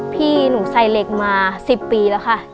พี่หนูใส่เหล็กมา๑๐ปีแล้วค่ะ